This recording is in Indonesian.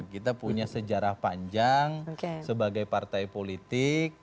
kita punya sejarah panjang sebagai partai politik